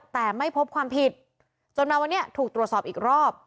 แต่ไม่พบความผิดจนมาวันนี้ถูกตรวจสอบอีกรอบ